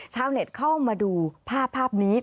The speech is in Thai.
ชาวเน็ตเข้ามาดูภาพภาพนี้